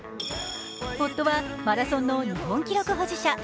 夫はマラソンの日本記録保持者。